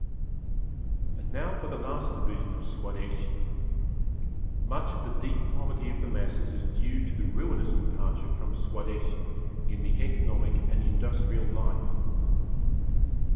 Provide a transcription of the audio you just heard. And now for the last division of Swadeshi, much of the deep poverty of the masses is due to the ruinous departure from Swadeshi in the economic and industrial life.